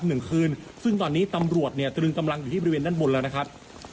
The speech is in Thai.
หนึ่งคืนซึ่งตอนนี้ตำรวจเนี่ยตรึงกำลังอยู่ที่บริเวณด้านบนแล้วนะครับ